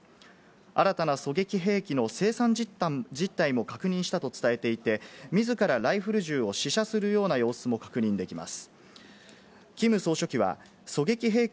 新たな狙撃兵器の生産実態も確認したと伝えていて、自らライフル銃を試射するような様子も確認できます。